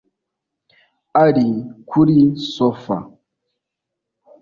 Ari kuri sofa